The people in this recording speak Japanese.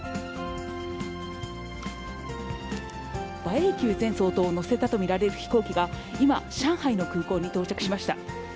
英九前総統を乗せたと見られる飛行機が、今、上海の空港に到着しました。